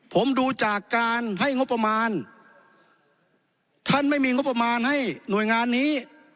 ผมดูจากการให้งบประมาณท่านไม่มีงบประมาณให้หน่วยงานนี้